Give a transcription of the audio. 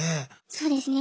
そうですね